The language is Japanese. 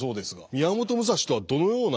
宮本武蔵とはどのような？